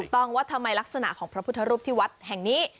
ว่าทำไมลักษณะของพระพุทธรูปที่วัดแห่งนี้